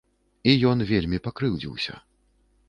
І ён вельмі пакрыўдзіўся.